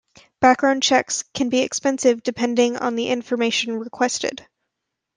Background checks can be expensive depending on the information requested.